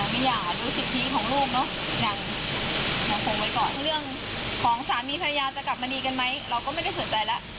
แล้วก็เริ่มง่านสุขภาพจิตใจของลูก